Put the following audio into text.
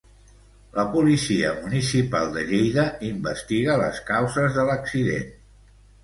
La Policia Municipal de Lleida investiga les causes de l'accident.